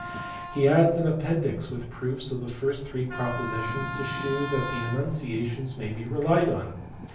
He adds an appendix with proofs of the first three propositions to shew that the enunciations may be relied on.